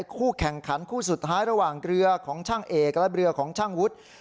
คู่แข่งขันคู่สุดท้ายระหว่างเรือของช่างเอกและเรือของช่างวุฒิ